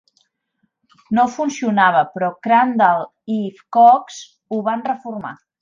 No funcionava, però Crandall i Cox ho van reformar.